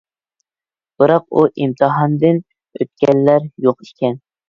بىراق، ئۇ ئىمتىھاندىن ئۆتكەنلەر يوق ئىكەن.